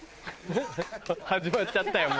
始まっちゃったよ